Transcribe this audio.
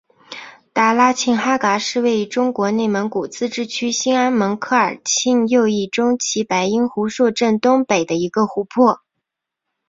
达拉沁哈嘎是位于中国内蒙古自治区兴安盟科尔沁右翼中旗白音胡硕镇东北的一个湖泊。